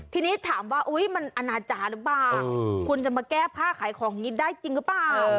ทีนี้ถามว่ามันอนาจารย์หรือเปล่าคุณจะมาแก้ผ้าขายของอย่างนี้ได้จริงหรือเปล่า